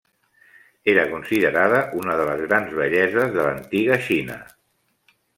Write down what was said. Era considerada una de les grans belleses de l'antiga Xina.